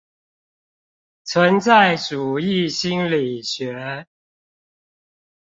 存在主義心理學